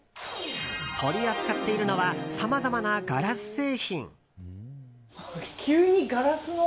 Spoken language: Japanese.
取り扱っているのはさまざまなガラス製品。